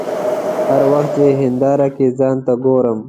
هر وخت چې هنداره کې ځان ته ګورم.